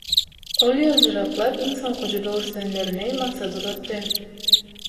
Ol ýyljyraklap iň soňkuja böwürslenlerini Maksada uzatdy.